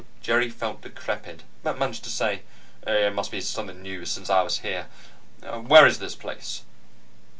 Jerry felt decrepit, but managed to say: "It must be something new since I was here. Where is this place?"